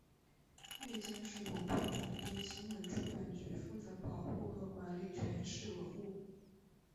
内江市文化广电新闻出版局负责保护和管理全市文物。